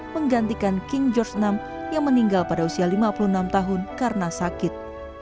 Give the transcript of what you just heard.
menggantikan king george vi yang meninggal pada usia lima puluh enam tahun karena sakit